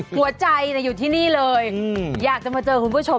หัวใจอยู่ที่นี่เลยอยากจะมาเจอคุณผู้ชม